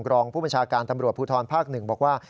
รองผู้บัญชาการตำรวจภูทรภาค๑บอกว่า